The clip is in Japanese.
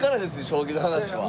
将棋の話は。